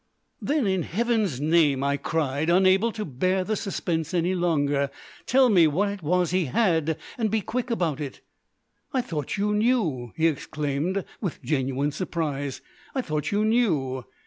"Then, in Heaven's name!" I cried, unable to bear the suspense any longer, "tell me what it was he had, and be quick about it." "I thought you knew!" he exclaimed, with genuine surprise. "I thought you knew!"